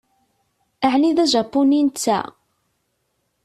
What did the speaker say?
Ɛni d ajapuni netta?